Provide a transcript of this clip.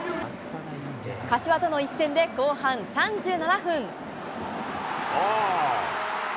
柏との一戦で後半３７分。